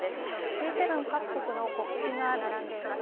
Ｇ７各国の国旗が並んでいます。